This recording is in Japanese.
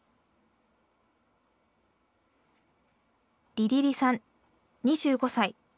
りりりさん２５歳。